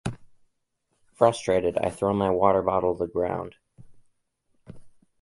Frustrated, I throw my water bottle to the ground.